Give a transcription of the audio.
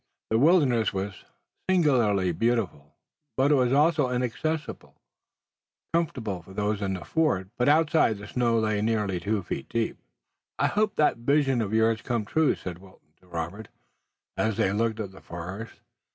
The wilderness was singularly beautiful, but it was also inaccessible, comfortable for those in the fort, but outside the snow lay nearly two feet deep. "I hope that vision of yours comes true," said Wilton to Robert, as they looked at the forest.